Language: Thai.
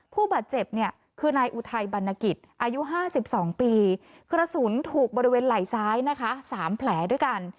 ผู้บาดเจ็บเนี่ยคือนายอุทัยบรรณกิจอายุ๕๒ปีกระสุนถูกบริเวณไหล่ซ้ายนะคะ๓แผลด้วยกัน